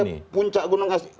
ini sebagai puncak gunung es